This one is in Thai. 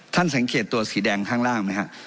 ท่านสังเกตตัวสีแดงข้างล่างมั้ยครับ